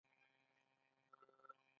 هند د تنوع په یووالي ویاړي.